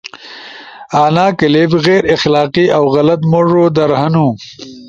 انا کلپ غیر اخلاقی اؤ غلط موڙو در ہنو